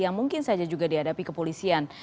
yang mungkin saja juga dihadapi kepolisian